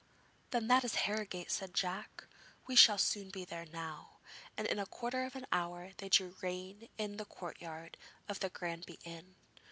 'Then that is Harrogate,' said Jack. 'We shall soon be there now,' and in a quarter of an hour they drew rein in the courtyard of the Granby inn.